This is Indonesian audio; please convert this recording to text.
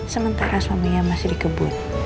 sementara suaminya masih di kebun